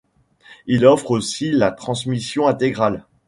Il offre aussi la transmission intégrale.